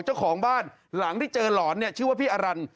เจ้าของบ้านหลังที่เจอหลอนเนี่ยชื่อว่าพี่อรัน